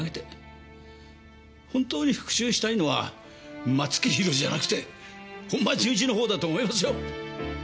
本当に復讐したいのは松木弘じゃなくて本間順一の方だと思いますよ。